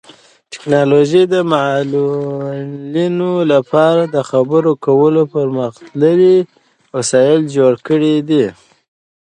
ټیکنالوژي د معلولینو لپاره د خبرو کولو پرمختللي وسایل جوړ کړي دي.